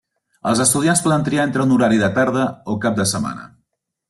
Els estudiants poden triar entre un horari de tarda o cap de setmana.